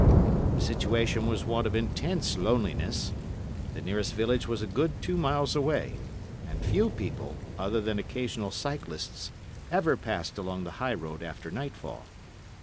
The situation was one of intense loneliness; the nearest village was a good two miles away, and few people, other than occasional cyclists, ever passed along the high road after nightfall.